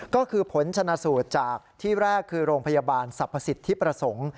ก็คือผลชนะสูตรจากที่แรกคือโรงพยาบาลสรรพสิทธิประสงค์